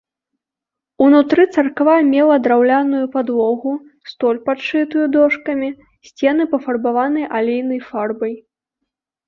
Унутры царква мела драўляную падлогу, столь падшытую дошкамі, сцены пафарбаваны алейнай фарбай.